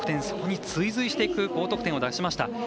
そこに追随していく高得点を出しました。